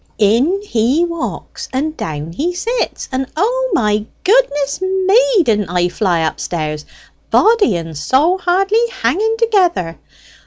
"In he walks, and down he sits, and O my goodness me, didn't I flee upstairs, body and soul hardly hanging together!